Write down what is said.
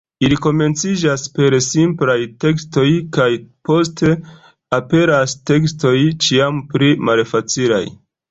Ili komenciĝas per simplaj tekstoj kaj poste aperas tekstoj ĉiam pli malfacilaj.